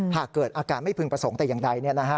หากเกิดอาการไม่พึงประสงค์แต่อย่างใด